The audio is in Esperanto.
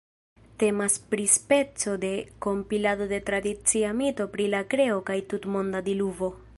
Temas pri speco de kompilado de tradicia mito pri la kreo kaj tutmonda diluvo.